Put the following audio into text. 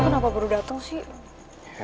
kenapa baru datang sih